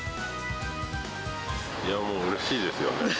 いや、もう、うれしいですよ